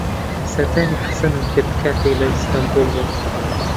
سەردانی حەسەنم کرد کاتێک لە ئەستەنبوڵ بووم.